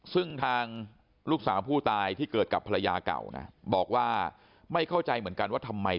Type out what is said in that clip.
ซึ่งทางลูกสาวผู้ตายที่เกิดกับภรรยาเก่านะบอกว่าไม่เข้าใจเหมือนกันว่าทำไม